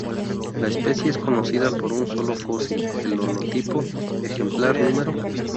La especie es conocida por un solo fósil, el holotipo, ejemplar "No.